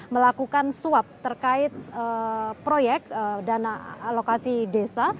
melakukan suap terkait proyek dana alokasi desa